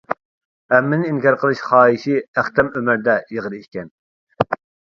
ھەممىنى ئىنكار قىلىش خاھىشى ئەختەم ئۆمەردە ئېغىر ئىكەن.